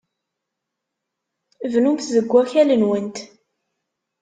Bnumt deg wakal-nwent.